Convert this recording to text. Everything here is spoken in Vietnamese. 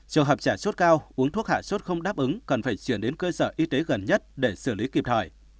trường hợp trả sốt cao uống thuốc hạ sốt không đáp ứng cần phải chuyển đến cơ sở y tế gần nhất để xử lý kịp thời